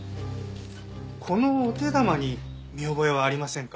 このお手玉に見覚えはありませんか？